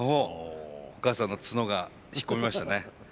お母さんの角が引っ込みましたね。